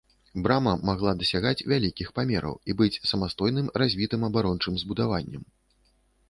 Брама магла дасягаць вялікіх памераў і быць самастойным развітым абарончым збудаваннем.